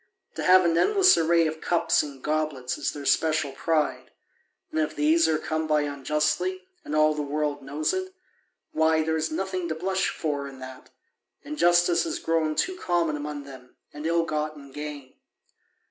To have an endless array of cups and goblets is their special pride: and if these are come by unjustly, and all the world knows it, why, there is nothing to blush for in that: injustice has grown too common among them, and ill gotten gain.